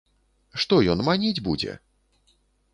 Што ён маніць будзе?!